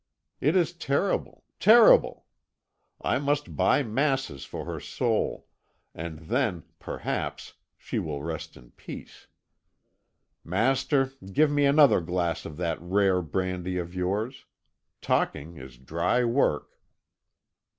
It is terrible, terrible! I must buy masses for her soul, and then, perhaps, she will rest in peace. Master, give me another glass of that rare brandy of yours. Talking is dry work."